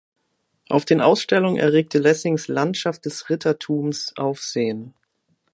Auf den Ausstellungen erregte Lessings „Landschaft des Rittertums“ Aufsehen.